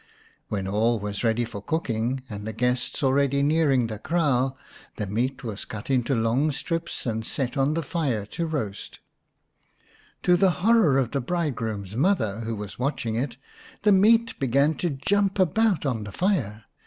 When all was ready for cooking and the guests already nearing the kraal, the meat was cut into long strips and set on the fire to roast. 214 xvin The Enchanted Buck To the horror of the bridegroom's mother, who was watching it, the meat began to jump about on the fire.